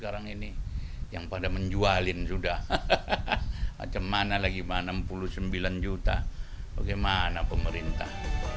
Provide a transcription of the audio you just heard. rp enam puluh sembilan juta bagaimana pemerintah